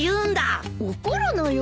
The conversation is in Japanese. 怒るなよ。